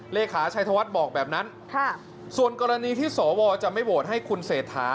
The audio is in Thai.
เลขาชัยธวัฒน์บอกแบบนั้นส่วนกรณีที่สวจะไม่โหวตให้คุณเศรษฐา